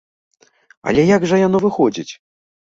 Але як жа яно выходзіць?